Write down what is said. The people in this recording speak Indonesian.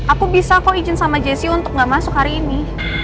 aku bisa kok izin sama jessi untuk gak masuk hari ini